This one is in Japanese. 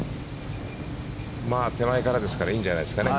手前からですからいいんじゃないですかね？